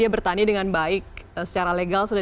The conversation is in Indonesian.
bertani dengan baik secara legal sudah